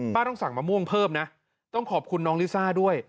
ต้องสั่งมะม่วงเพิ่มนะต้องขอบคุณน้องลิซ่าด้วย